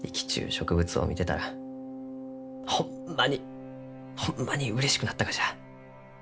植物を見てたらホンマにホンマにうれしくなったがじゃ。